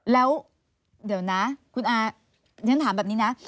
แล้วเดี๋ยวนะคุณอาฉันถามแบบนี้นะ